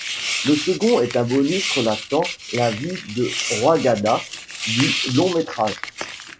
Le second est un bonus relatant la vie du Roigada du long-métrage.